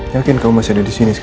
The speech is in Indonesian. lalu dia bilang